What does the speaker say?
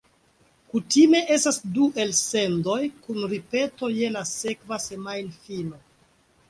Kutime estas du elsendoj kun ripeto je la sekva semajnfino.